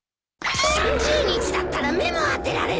３０日だったら目も当てられないよ。